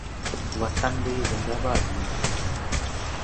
وطن دې زنده باد وي